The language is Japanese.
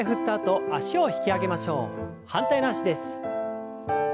反対の脚です。